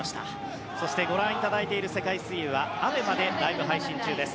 そしてご覧いただいている世界水泳はＡＢＥＭＡでライブ配信中です。